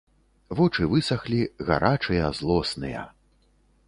Вочы высахлі, гарачыя, злосныя.